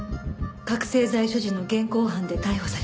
覚醒剤所持の現行犯で逮捕されてしまった。